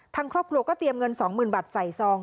ทางครอบครัวก็เตรียมเงิน๒๐๐๐บาทใส่ซอง